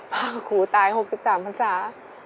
ภาคโครตาย๖๓พันซา